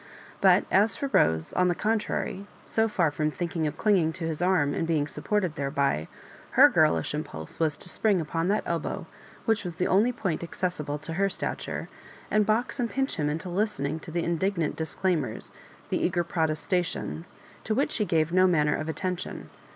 But <aa for Bose, on the contrary, so far from thinking of clinging to his arm, and being supported thereby, her girlish impulse was to spring upon that elbow, which was the only point accessible to her stature, and box and pinch him into listening to the indignant disclaimers, the eager protestations, to which he gave no manner of attention.